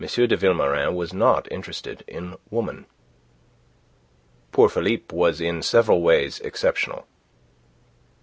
de Vilmorin was not interested in Woman. Poor Philippe was in several ways exceptional.